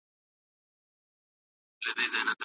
موسيقي غږول کېږي.